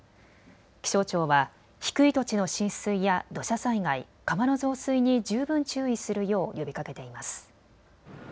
気象庁は低い土地の浸水や土砂災害、川の増水に十分注意するよう呼びかけています。